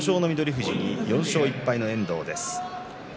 富士に４勝１敗の遠藤です。